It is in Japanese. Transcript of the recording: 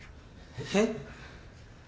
えっ？